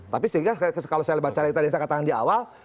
tapi sehingga kalau saya baca tadi yang saya katakan di awal